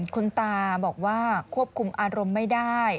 คุณตาบอกว่าควบคุมอารมณ์ไม่ได้